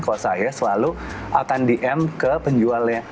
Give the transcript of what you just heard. kalau saya selalu akan dm ke penjualnya